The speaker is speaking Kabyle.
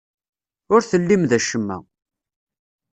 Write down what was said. Ur tellim d acemma.